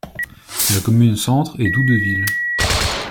La commune centre est Doudeville.